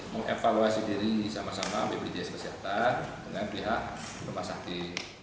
mengevaluasi diri sama sama bpjs kesehatan dengan pihak rumah sakit